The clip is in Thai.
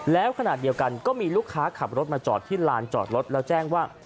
แล้วขณะเดียวกันก็มีลูกค้าขับรถมาจอดที่ลานจอดรถแล้วแจ้งว่า